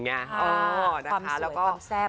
ความสวยความแซ่บ